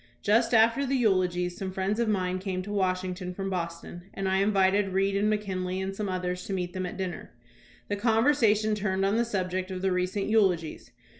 Just after the eulogies, some friends of mine came to Wash ington from Boston, and I invited Reed and McEonley and some others to meet them at dinner. The con versation turned on the subject of the recent eulogies.